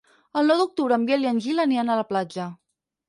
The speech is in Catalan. El nou d'octubre en Biel i en Gil aniran a la platja.